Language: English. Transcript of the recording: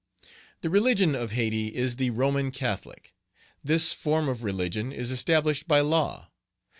The religion of Hayti is the Roman Catholic. This form of religion is established by law.